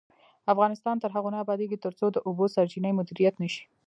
افغانستان تر هغو نه ابادیږي، ترڅو د اوبو سرچینې مدیریت نشي.